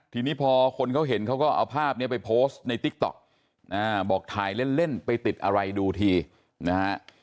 ทีนี้พอคนเขาเห็นเขาก็เอาภาพนี้ไปโพสต์ในติ๊กต๊อกบอกถ่ายเล่นไปติดอะไรดูทีนะฮะ